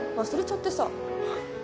忘れちゃってさ。